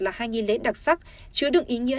là hai nghi lễ đặc sắc chứa được ý nghĩa